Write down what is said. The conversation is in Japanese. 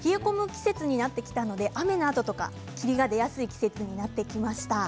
季節になっていったので雨のあと霧が出やすい季節になってきました。